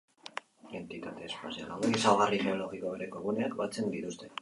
Entitate espazial hauek ezaugarri geologiko bereko guneak batzen dituzte.